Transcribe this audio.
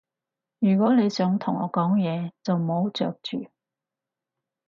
如果你想同我講嘢，就唔好嚼住